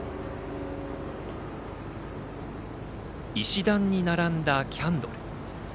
石段に並んだキャンドル。